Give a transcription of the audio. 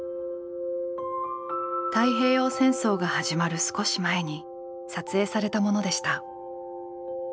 太平洋戦争が始まる少し前に撮影されたものでした。